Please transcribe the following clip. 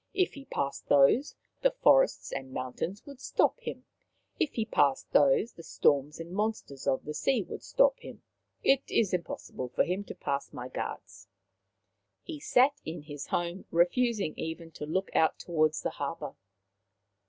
If he passed those, the forests and mountains would stopliim. If he passed those, the storms and mon sters of the sea would stop him. It is impossible for him to pass my guards." He sat in his house, refusing even to look out towards the harbour.